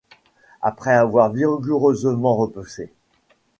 Après avoir vigoureusement repoussé...